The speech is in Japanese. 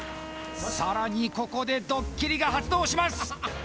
さらにここでドッキリが発動します